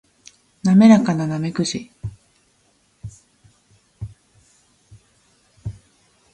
滑らかなナメクジ